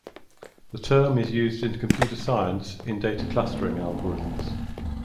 The term is used in computer science in data clustering algorithms.